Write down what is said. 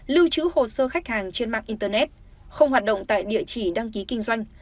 lưu trữ hồ sơ khách hàng trên mạng internet không hoạt động tại địa chỉ đăng ký kinh doanh